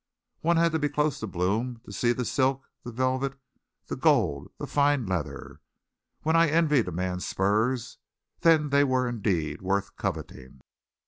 One had to be close to Blome to see the silk, the velvet, the gold, the fine leather. When I envied a man's spurs then they were indeed worth coveting.